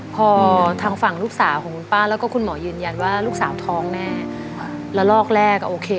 พอทางฝั่งลูกสาวของคุณป้าแล้วก็คุณหมอยืนยันว่าลูกสาวท้องแน่ละลอกแรกอ่ะโอเค